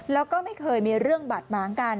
แล้วก็ไม่เคยมีเรื่องบาดหมางกัน